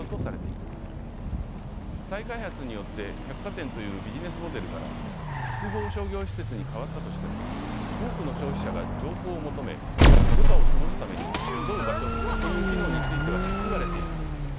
再開発によって百貨店というビジネスモデルから複合商業施設に変わったとしても多くの消費者が情報を求め余暇を過ごすために集う場所という機能については引き継がれていくのです。